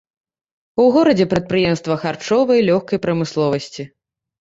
У горадзе прадпрыемства харчовай, лёгкай прамысловасці.